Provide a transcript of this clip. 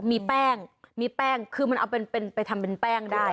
มีแป้งมีแป้งคือมันเอาไปทำเป็นแป้งได้